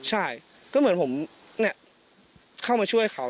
ใช่ก็เหมือนผมเข้ามาช่วยเขา